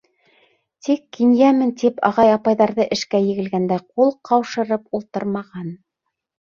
Тик, кинйәмен тип, ағай-апайҙары эшкә егелгәндә ҡул ҡаушырып ултырмаған.